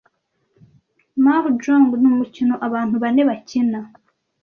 Mahjong ni umukino abantu bane bakina.